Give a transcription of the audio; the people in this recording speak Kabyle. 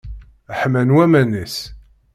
Ḥman waman-is.